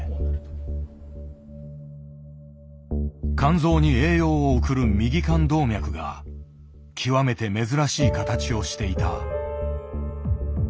肝臓に栄養を送る「右肝動脈」が極めて珍しい形をしていた。